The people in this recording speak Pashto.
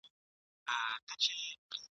یو غرڅه وو په ځان غټ په قامت ښکلی !.